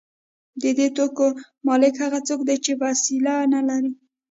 د دې توکو مالک هغه څوک دی چې وسیله نلري